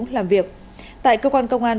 làm việc tại cơ quan công an